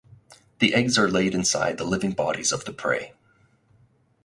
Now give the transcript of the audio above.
The eggs are laid inside the living bodies of the prey.